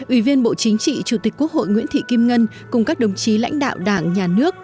ủy viên bộ chính trị chủ tịch quốc hội nguyễn thị kim ngân cùng các đồng chí lãnh đạo đảng nhà nước